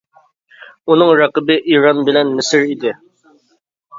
ئۇنىڭ رەقىبى ئىران بىلەن مىسىر ئىدى.